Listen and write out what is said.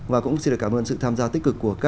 và cũng xin được cảm ơn sự tham gia tích cực